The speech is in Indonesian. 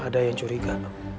ada yang curiga